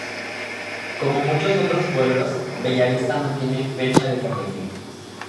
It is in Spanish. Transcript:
Como muchos otros pueblos, Bella Vista no tiene fecha de fundación.